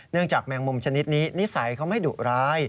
จากแมงมุมชนิดนี้นิสัยเขาไม่ดุร้าย